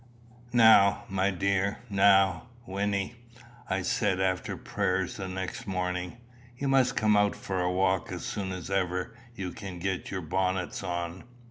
"Now, my dear! now, Wynnie!" I said, after prayers the next morning, "you must come out for a walk as soon as ever you can get your bonnets on."